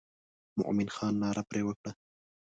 مومن خان ناره پر وکړه.